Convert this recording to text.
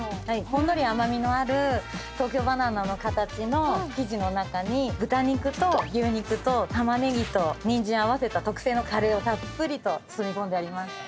ほんのり甘味のある東京ばな奈の形の生地の中に豚肉と牛肉とタマネギとニンジンを合わせた特製のカレーをたっぷりと包み込んであります。